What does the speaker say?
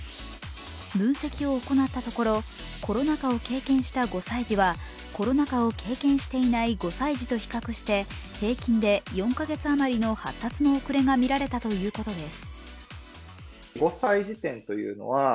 分析を行ったところコロナ禍を経験した５歳児はコロナ禍を経験していない５歳児と比較して平均で４か月余りの発達の遅れがみられたということです。